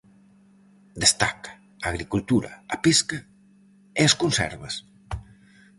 Destaca a agricultura, a pesca e as conservas.